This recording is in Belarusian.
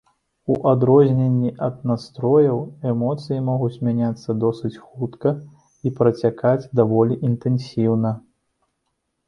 У адрозненне ад настрояў, эмоцыі могуць мяняцца досыць хутка і працякаць даволі інтэнсіўна.